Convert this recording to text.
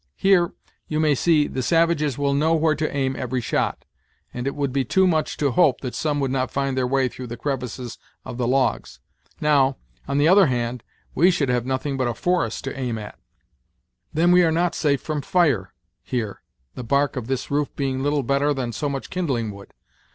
Here, you may see, the savages will know where to aim every shot; and it would be too much to hope that some would not find their way through the crevices of the logs. Now, on the other hand, we should have nothing but a forest to aim at. Then we are not safe from fire, here, the bark of this roof being little better than so much kindling wood.